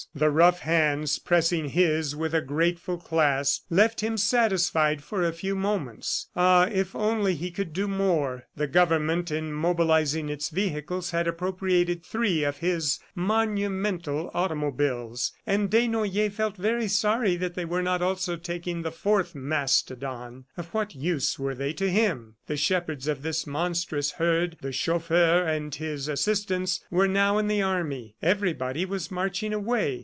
The rough hands pressing his with a grateful clasp, left him satisfied for a few moments. Ah, if he could only do more! ... The Government in mobilizing its vehicles had appropriated three of his monumental automobiles, and Desnoyers felt very sorry that they were not also taking the fourth mastodon. Of what use were they to him? The shepherds of this monstrous herd, the chauffeur and his assistants, were now in the army. Everybody was marching away.